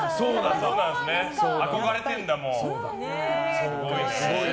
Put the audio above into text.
憧れてるんだ、もう。